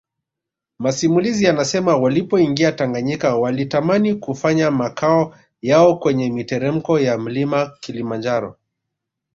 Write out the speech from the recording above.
Masimulizi yanasema walipoingia Tanganyika walitamani kufanya makao yao kwenye miteremko ya Mlima Kilimanjaro